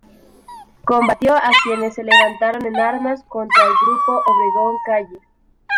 Combatió a quienes se levantaron en armas contra el grupo Obregón-Calles.